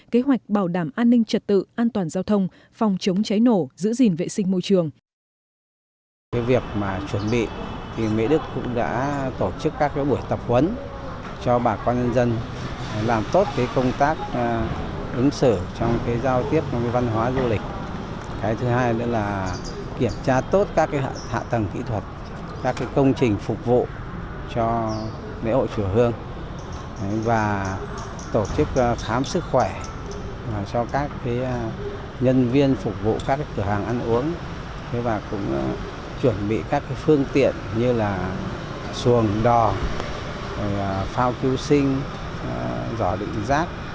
kế hoạch bảo đảm an ninh trật tự an toàn giao thông phòng chống cháy nổ giữ gìn vệ sinh môi trường